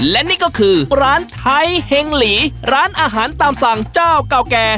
และนี่ก็คือร้านไทยเฮงหลีร้านอาหารตามสั่งเจ้าเก่าแก่